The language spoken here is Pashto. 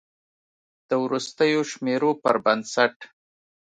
د وروستیو شمیرو پر بنسټ